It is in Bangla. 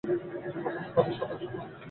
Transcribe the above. জীবকোষের কত শতাংশ পানি?